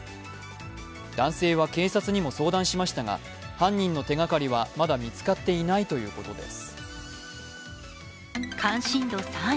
男性は警察にも相談しましたが、犯人の手がかりは、まだ見つかっていないということです。